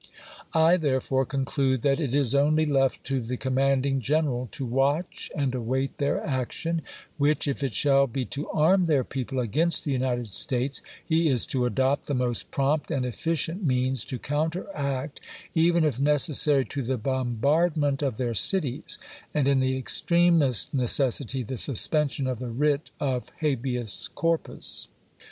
I therefore conclude that it is only left to the com manding general to watch and await their action, which, if it shall be to arm their people against the United States, he is to adopt the most prompt and efficient means to counteract, even if necessary to the bombard ment of their cities ; and, in the extremest necessity, the suspension of the writ of habeas corpus.